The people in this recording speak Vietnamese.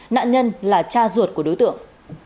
nạn nhân là cha ruột của đối tượng